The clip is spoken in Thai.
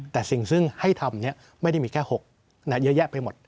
แต่สิ่งซึ่งให้ทำไม่ได้มีแค่๖เยอะแยะไปหมด